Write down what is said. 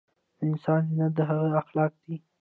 دانسان زينت دهغه اخلاق دي